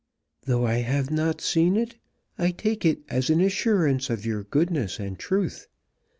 Though I have not seen it, I take it as an assurance of your goodness and truth.